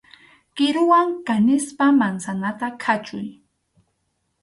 Kiruwan kanispa mansanata khachuy.